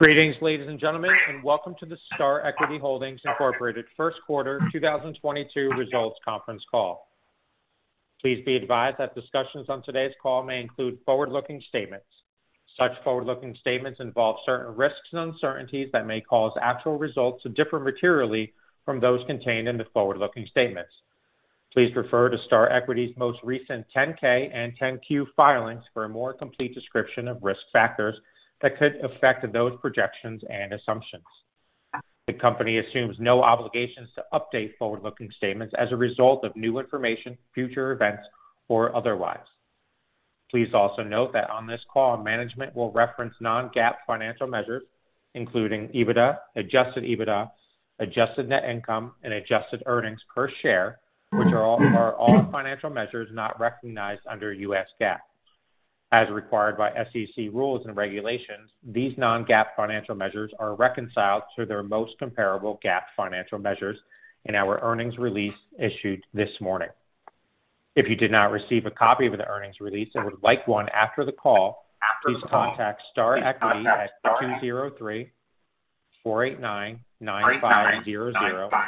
Greetings, ladies and gentlemen, and welcome to the Star Equity Holdings, Incorporated first quarter 2022 results conference call. Please be advised that discussions on today's call may include forward-looking statements. Such forward-looking statements involve certain risks and uncertainties that may cause actual results to differ materially from those contained in the forward-looking statements. Please refer to Star Equity's most recent 10-K and 10-Q filings for a more complete description of risk factors that could affect those projections and assumptions. The company assumes no obligations to update forward-looking statements as a result of new information, future events, or otherwise. Please also note that on this call, management will reference non-GAAP financial measures, including EBITDA, adjusted EBITDA, adjusted net income, and adjusted earnings per share, which are all financial measures not recognized under U.S. GAAP. As required by SEC rules and regulations, these non-GAAP financial measures are reconciled to their most comparable GAAP financial measures in our earnings release issued this morning. If you did not receive a copy of the earnings release and would like one after the call, please contact Star Equity at 203-489-9500,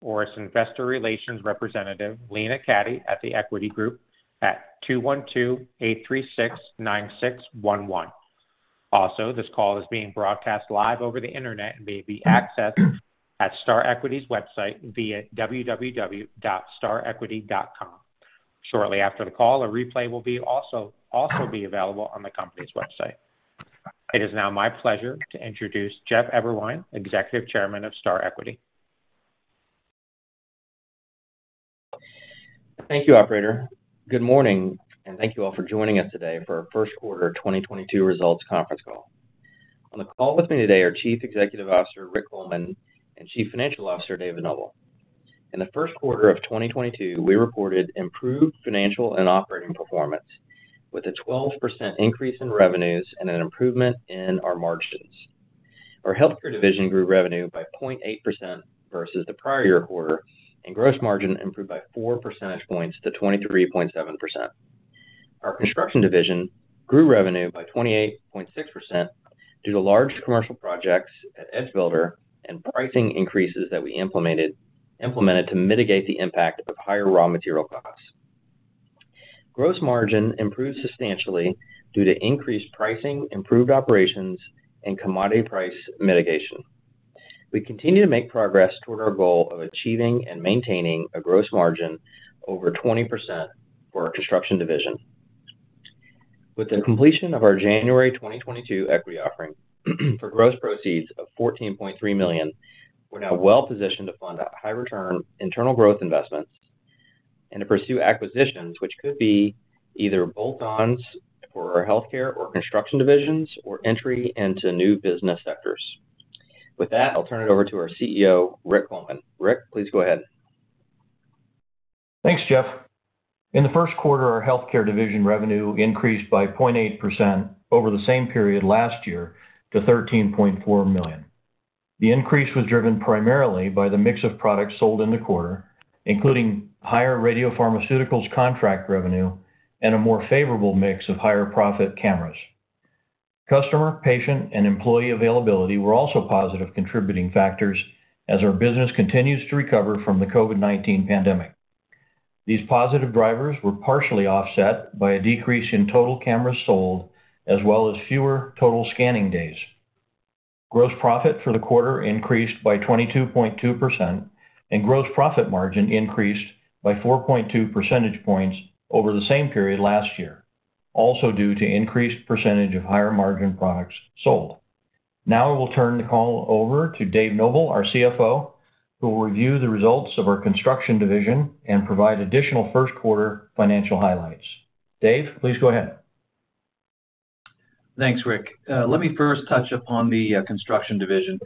or its investor relations representative, Lena Cati, at The Equity Group at 212-836-9611. Also, this call is being broadcast live over the Internet and may be accessed at Star Equity's website via www.starequity.com. Shortly after the call, a replay will also be available on the company's website. It is now my pleasure to introduce Jeff Eberwein, Executive Chairman of Star Equity. Thank you, operator. Good morning, and thank you all for joining us today for our first quarter 2022 results conference call. On the call with me today are Chief Executive Officer Rick Coleman and Chief Financial Officer Dave Noble. In the first quarter of 2022, we recorded improved financial and operating performance with a 12% increase in revenues and an improvement in our margins. Our healthcare division grew revenue by 0.8% versus the prior year quarter, and gross margin improved by four percentage points to 23.7%. Our construction division grew revenue by 28.6% due to large commercial projects at EdgeBuilder and pricing increases that we implemented to mitigate the impact of higher raw material costs. Gross margin improved substantially due to increased pricing, improved operations, and commodity price mitigation. We continue to make progress toward our goal of achieving and maintaining a gross margin over 20% for our construction division. With the completion of our January 2022 equity offering for gross proceeds of $14.3 million, we're now well-positioned to fund high return internal growth investments and to pursue acquisitions which could be either bolt-ons for our healthcare or construction divisions or entry into new business sectors. With that, I'll turn it over to our CEO, Rick Coleman. Rick, please go ahead. Thanks, Jeff. In the first quarter, our healthcare division revenue increased by 0.8% over the same period last year to $13.4 million. The increase was driven primarily by the mix of products sold in the quarter, including higher radiopharmaceuticals contract revenue and a more favorable mix of higher profit cameras. Customer, patient, and employee availability were also positive contributing factors as our business continues to recover from the COVID-19 pandemic. These positive drivers were partially offset by a decrease in total cameras sold, as well as fewer total scanning days. Gross profit for the quarter increased by 22.2%, and gross profit margin increased by 4.2 percentage points over the same period last year, also due to increased percentage of higher margin products sold. Now I will turn the call over to Dave Noble, our CFO, who will review the results of our construction division and provide additional first quarter financial highlights. Dave, please go ahead. Thanks, Rick. Let me first touch upon the construction division.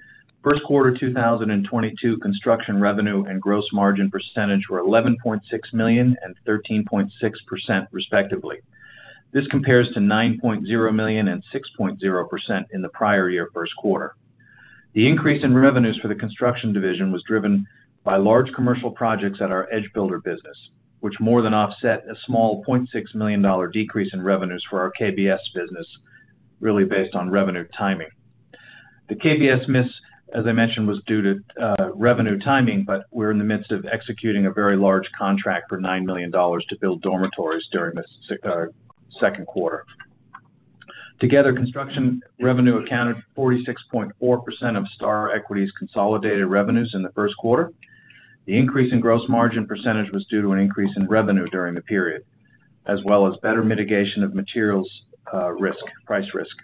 First quarter 2022 construction revenue and gross margin percentage were $11.6 million and 13.6%, respectively. This compares to $9.0 million and 6.0% in the prior year first quarter. The increase in revenues for the construction division was driven by large commercial projects at our EdgeBuilder business, which more than offset a small $0.6 million dollar decrease in revenues for our KBS business, really based on revenue timing. The KBS miss, as I mentioned, was due to revenue timing, but we're in the midst of executing a very large contract for $9 million to build dormitories during the second quarter. Together, construction revenue accounted for 46.4% of Star Equity's consolidated revenues in the first quarter. The increase in gross margin percentage was due to an increase in revenue during the period, as well as better mitigation of materials risk, price risk.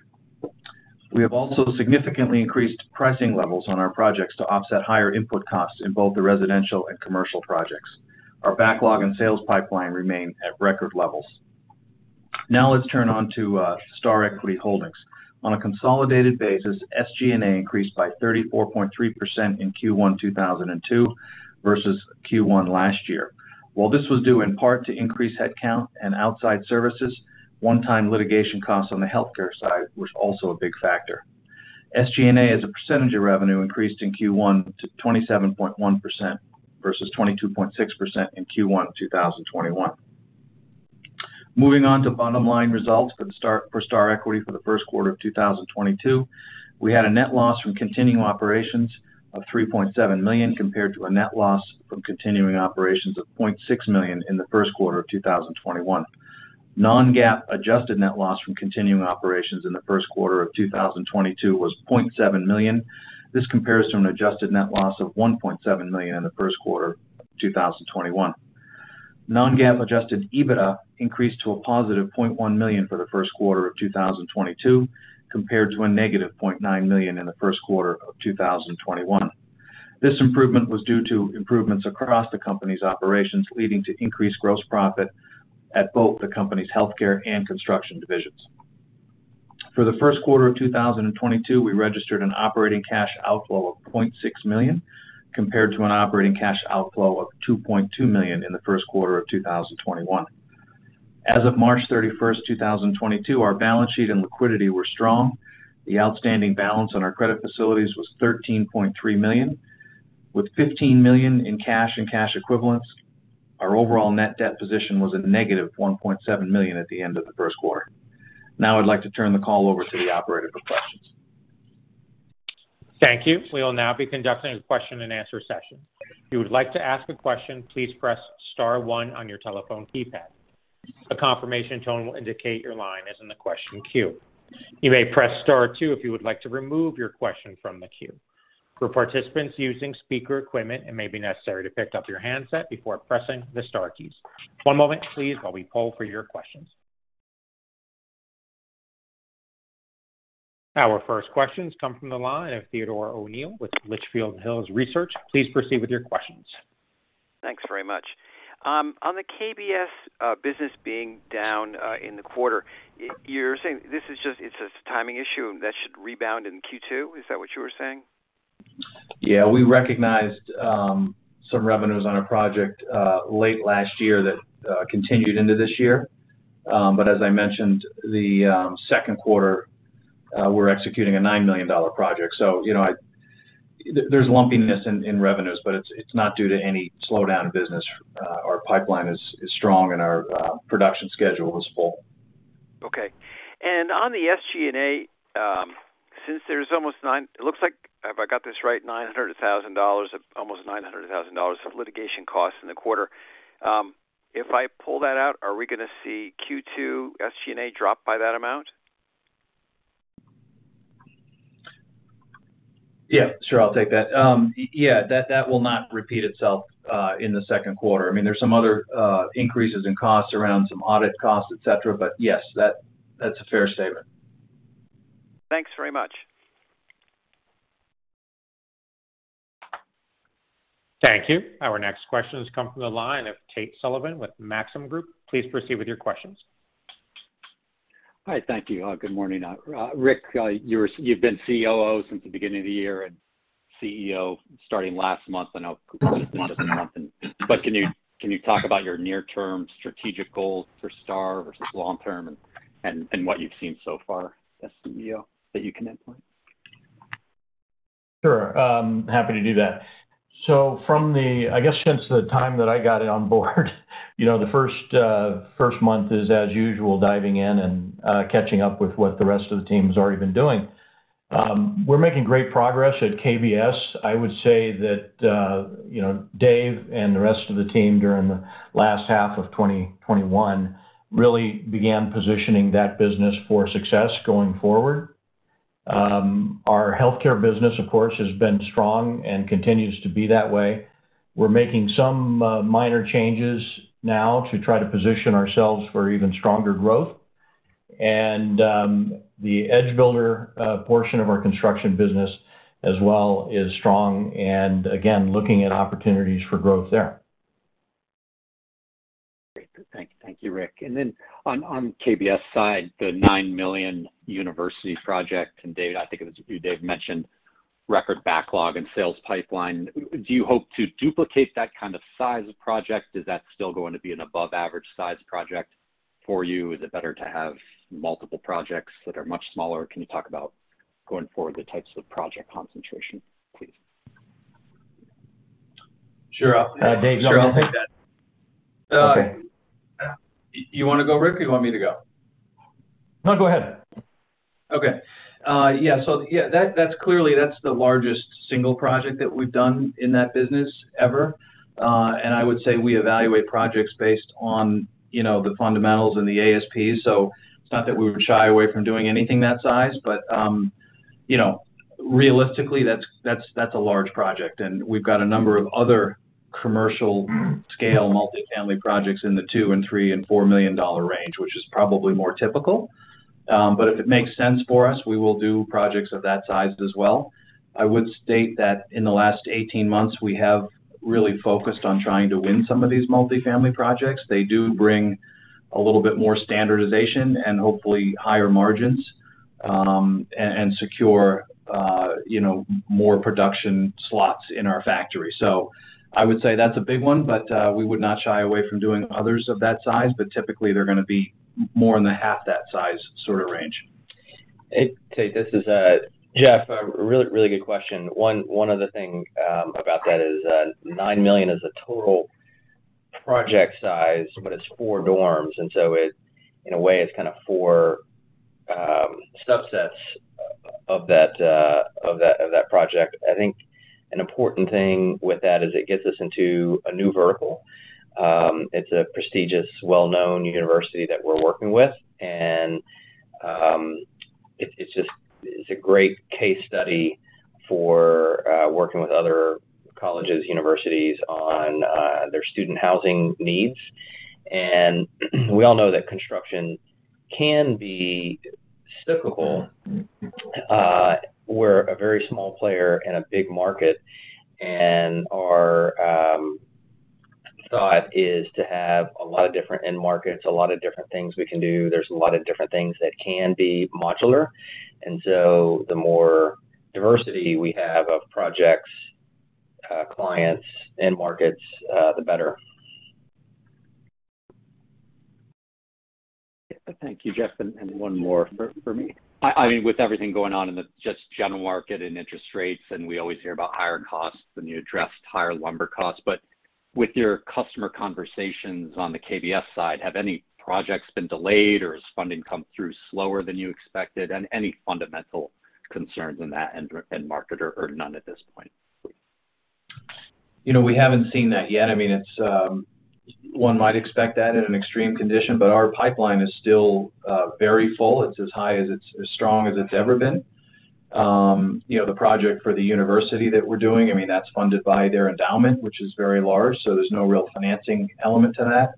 We have also significantly increased pricing levels on our projects to offset higher input costs in both the residential and commercial projects. Our backlog and sales pipeline remain at record levels. Now let's turn to Star Equity Holdings. On a consolidated basis, SG&A increased by 34.3% in Q1 2022 versus Q1 last year. While this was due in part to increased headcount and outside services, one-time litigation costs on the healthcare side was also a big factor. SG&A, as a percentage of revenue, increased in Q1 to 27.1% versus 22.6% in Q1 2021. Moving on to bottom line results for Star Equity for the first quarter of 2022. We had a net loss from continuing operations of $3.7 million compared to a net loss from continuing operations of $0.6 million in the first quarter of 2021. Non-GAAP adjusted net loss from continuing operations in the first quarter of 2022 was $0.7 million. This compares to an adjusted net loss of $1.7 million in the first quarter of 2021. Non-GAAP adjusted EBITDA increased to a positive $0.1 million for the first quarter of 2022, compared to a negative $0.9 million in the first quarter of 2021. This improvement was due to improvements across the company's operations, leading to increased gross profit at both the company's healthcare and construction divisions. For the first quarter of 2022, we registered an operating cash outflow of $0.6 million, compared to an operating cash outflow of $2.2 million in the first quarter of 2021. As of March 31, 2022, our balance sheet and liquidity were strong. The outstanding balance on our credit facilities was $13.3 million, with $15 million in cash and cash equivalents. Our overall net debt position was -$1.7 million at the end of the first quarter. Now I'd like to turn the call over to the operator for questions. Thank you. We will now be conducting a question-and-answer session. If you would like to ask a question, please press star one on your telephone keypad. A confirmation tone will indicate your line is in the question queue. You may press star two if you would like to remove your question from the queue. For participants using speaker equipment, it may be necessary to pick up your handset before pressing the star keys. One moment, please, while we poll for your questions. Our first questions come from the line of Theodore O'Neill with Litchfield Hills Research. Please proceed with your questions. Thanks very much. On the KBS business being down in the quarter, you're saying this is just, it's a timing issue and that should rebound in Q2. Is that what you were saying? Yeah. We recognized some revenues on a project late last year that continued into this year. As I mentioned, the second quarter, we're executing a $9 million project. You know, there's lumpiness in revenues, but it's not due to any slowdown in business. Our pipeline is strong and our production schedule is full. Okay. On the SG&A, since there's almost $900,000. It looks like, if I got this right, $900,000, almost $900,000 of litigation costs in the quarter. If I pull that out, are we gonna see Q2 SG&A drop by that amount? Yeah, sure. I'll take that. Yeah, that will not repeat itself in the second quarter. I mean, there's some other increases in costs around some audit costs, et cetera. Yes, that's a fair statement. Thanks very much. Thank you. Our next question has come from the line of Tate Sullivan with Maxim Group. Please proceed with your questions. Hi. Thank you. Good morning. Rick, you've been COO since the beginning of the year and CEO starting last month. I know a month isn't something. Can you talk about your near-term strategic goals for Star versus long term and what you've seen so far as CEO that you can implement? Sure, I'm happy to do that. I guess since the time that I got on board, you know, the first month is as usual, diving in and catching up with what the rest of the team's already been doing. We're making great progress at KBS. I would say that, you know, Dave and the rest of the team during the last half of 2021 really began positioning that business for success going forward. Our healthcare business, of course, has been strong and continues to be that way. We're making some minor changes now to try to position ourselves for even stronger growth. The EdgeBuilder portion of our construction business as well is strong, and again, looking at opportunities for growth there. Great. Thank you, Rick. Then on KBS side, the $9 million university project, and Dave, I think it was you Dave mentioned record backlog and sales pipeline. Do you hope to duplicate that kind of size of project? Is that still going to be an above average size project for you? Is it better to have multiple projects that are much smaller? Can you talk about, going forward, the types of project concentration, please? Sure. Dave, you want to. Sure, I'll take that. Okay. You wanna go, Rick, or you want me to go? No, go ahead. Yeah, that's clearly the largest single project that we've done in that business ever. I would say we evaluate projects based on, you know, the fundamentals and the ASPs. It's not that we would shy away from doing anything that size, but you know, realistically, that's a large project, and we've got a number of other commercial scale multi-family projects in the $2 and $3 and $4 million range, which is probably more typical. If it makes sense for us, we will do projects of that size as well. I would state that in the last 18 months, we have really focused on trying to win some of these multi-family projects. They do bring a little bit more standardization and hopefully higher margins, and secure, you know, more production slots in our factory. I would say that's a big one, but we would not shy away from doing others of that size. Typically, they're gonna be more in the half that size sort of range. Hey, Tate, this is Jeff. Really good question. One of the things about that is $9 million is a total project size, but it's four dorms, and so it in a way it's kinda four subsets of that project. I think an important thing with that is it gets us into a new vertical. It's a prestigious, well-known university that we're working with, and it's just a great case study for working with other colleges, universities on their student housing needs. We all know that construction can be cyclical. We're a very small player in a big market, and our thought is to have a lot of different end markets, a lot of different things we can do. There's a lot of different things that can be modular. The more diversity we have of projects, clients, end markets, the better. Thank you, Jeff. One more for me. I mean, with everything going on in the just general market and interest rates, and we always hear about higher costs, and you addressed higher lumber costs. With your customer conversations on the KBS side, have any projects been delayed, or has funding come through slower than you expected? Any fundamental concerns in that end market or none at this point? You know, we haven't seen that yet. I mean, one might expect that in an extreme condition, but our pipeline is still very full. It's as strong as it's ever been. You know, the project for the university that we're doing, I mean, that's funded by their endowment, which is very large, so there's no real financing element to that.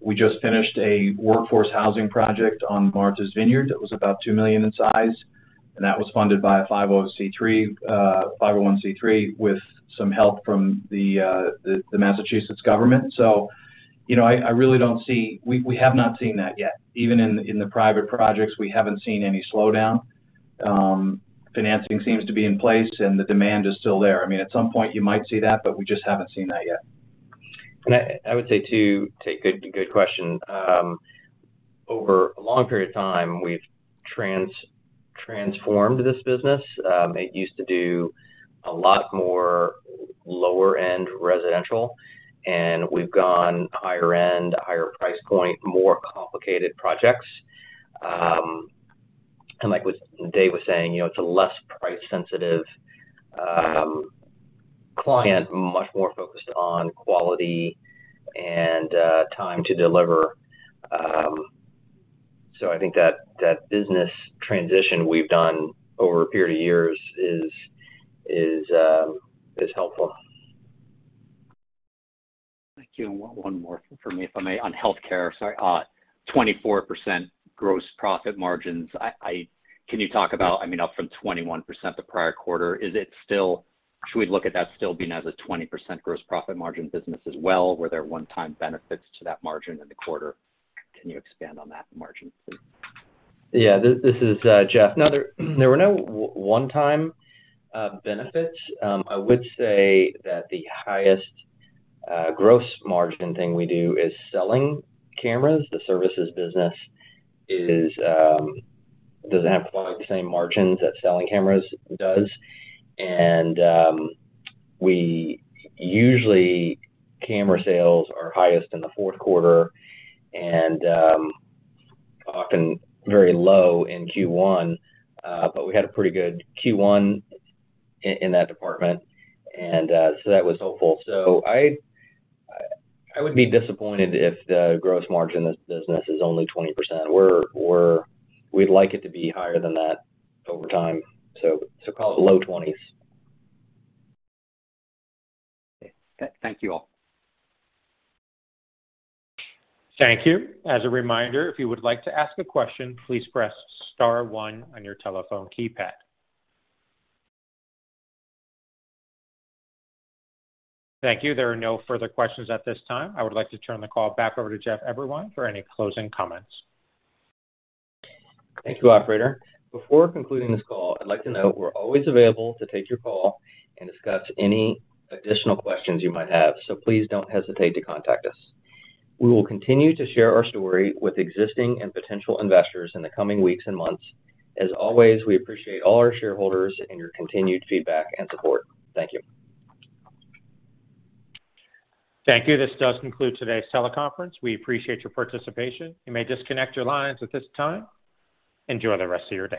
We just finished a workforce housing project on Martha's Vineyard that was about $2 million in size, and that was funded by a 501(c)(3) with some help from the Massachusetts government. You know, I really don't see. We have not seen that yet. Even in the private projects, we haven't seen any slowdown. Financing seems to be in place, and the demand is still there. I mean, at some point you might see that, but we just haven't seen that yet. I would say too, Tate, good question. Over a long period of time, we've transformed this business. It used to do a lot more lower-end residential, and we've gone higher end, higher price point, more complicated projects. Like what Dave was saying, you know, it's a less price sensitive client, much more focused on quality and time to deliver. I think that business transition we've done over a period of years is helpful. Thank you. One more from me if I may on healthcare. At 24% gross profit margins, can you talk about, I mean, up from 21% the prior quarter, is it still? Should we look at that still being as a 20% gross profit margin business as well? Were there one-time benefits to that margin in the quarter? Can you expand on that margin please? Yeah. This is Jeff. No, there were no one time benefits. I would say that the highest gross margin thing we do is selling cameras. The services business doesn't have quite the same margins that selling cameras does. We usually camera sales are highest in the fourth quarter and often very low in Q1. But we had a pretty good Q1 in that department, and so that was hopeful. I would be disappointed if the gross margin of the business is only 20%. We'd like it to be higher than that over time, so call it low 20s%. Okay. Thank you all. Thank you. As a reminder, if you would like to ask a question, please press star one on your telephone keypad. Thank you. There are no further questions at this time. I would like to turn the call back over to Jeff Eberwein for any closing comments. Thank you, operator. Before concluding this call, I'd like to note we're always available to take your call and discuss any additional questions you might have. Please don't hesitate to contact us. We will continue to share our story with existing and potential investors in the coming weeks and months. As always, we appreciate all our shareholders and your continued feedback and support. Thank you. Thank you. This does conclude today's teleconference. We appreciate your participation. You may disconnect your lines at this time. Enjoy the rest of your day.